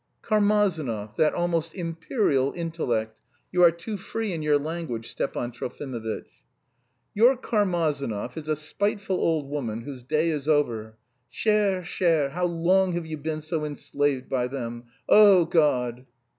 "Karmazinov, that almost imperial intellect. You are too free in your language, Stepan Trofimovitch." "Your Karmazinov is a spiteful old woman whose day is over. Chère, chère, how long have you been so enslaved by them? Oh God!"